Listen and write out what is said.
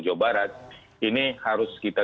jawa barat ini harus kita